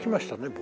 僕。